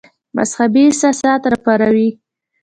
مذهبي احساسات را وپاروي.